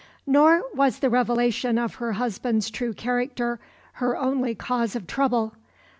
Nor was the revelation of her husband's true character her only cause of trouble.